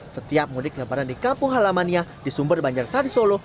setiap mudik lebaran di kampung halamannya di sumber banjar sari solo